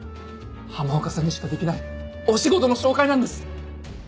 浜岡さんにしかできないお仕事の紹介なんです！